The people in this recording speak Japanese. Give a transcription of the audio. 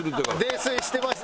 泥酔してました